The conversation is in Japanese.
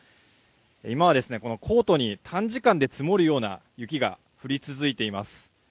今は、コートに短時間で積もるような雪が降り続いています。